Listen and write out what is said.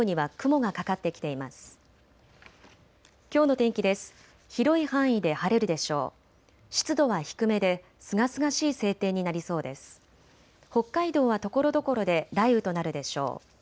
北海道はところどころで雷雨となるでしょう。